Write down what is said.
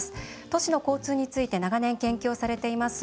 都市の交通について長年研究をされています